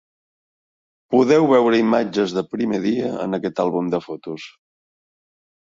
Podeu veure imatges de prime dia en aquest àlbum de fotos.